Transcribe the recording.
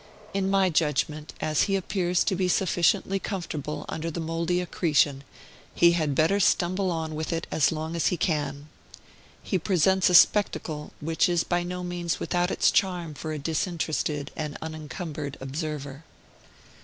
In my judgment, as he appears to be sufficiently comfortable under the mouldy accretion, he had better stumble on with it as long as he can. He presents a spectacle which is by no means without its charm for a disinterested and unencumbered observer.